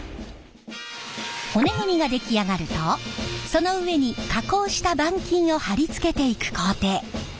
骨組みが出来上がるとその上に加工した板金を貼り付けていく工程。